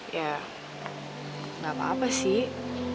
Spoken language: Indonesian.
ya nggak apa apa sih